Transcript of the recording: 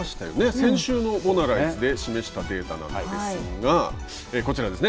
先週のボナライズで示したデータなんですがこちらですね。